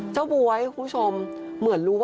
บ๊วยคุณผู้ชมเหมือนรู้ว่า